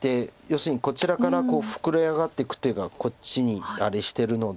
要するにこちらから膨れ上がっていく手がこっちにあれしてるので。